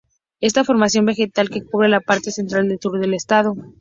Esta formación vegetal que cubre la parte central del sur del estado.